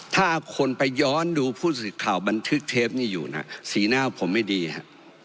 ถ้าคนไปย้อนดูผู้สื่อข่าวบันทึกเทปนี้อยู่นะสีหน้าผมไม่ดีฮะ